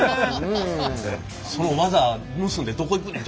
その技盗んでどこ行くねん！